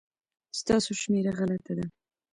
ستاسو شمېره غلطه ده